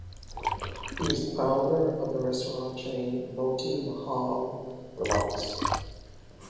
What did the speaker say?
He was the founder of the restaurant chain Moti Mahal Delux.